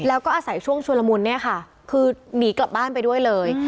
แล้วก็อาศัยช่วงชุลมุนเนี่ยค่ะคือหนีกลับบ้านไปด้วยเลย